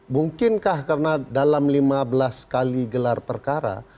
mungkinkah karena dalam lima belas kali gelar perkara